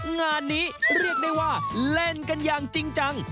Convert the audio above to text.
งานนี้เรียกได้ว่าเล่นกันอย่างจริงจัง